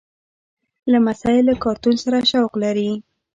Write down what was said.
لمسی له کارتون سره شوق لري.